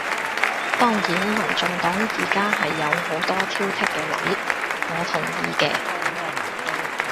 當然民進黨而家係有好多挑剔嘅位，我同意嘅